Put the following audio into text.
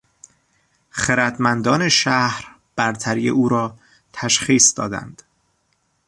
خردمندان شهر برتری او را تشخیص دادند.